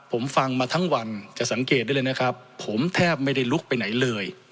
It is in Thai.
ผมฟังมาทั้งวันจะสังเกตได้เลยนะครับผมแทบไม่ได้ลุกไปไหนเลย